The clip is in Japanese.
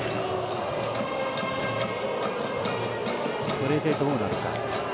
これでどうなるか。